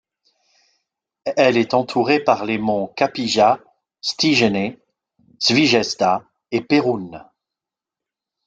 Elle est entourée par les monts Kapija, Stijene, Zvijezda et Perun.